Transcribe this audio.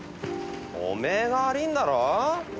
おめえが悪ぃんだろ？